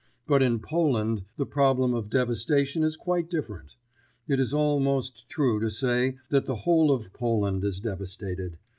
But in Poland the problem of devastation is quite different. It is almost true to say that the whole of Poland is devastated.